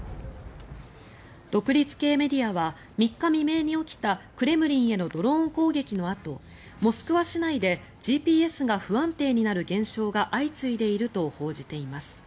独立系メディアは３日未明に起きたクレムリンへのドローン攻撃のあとモスクワ市内でＧＰＳが不安定になる現象が相次いでいると報じています。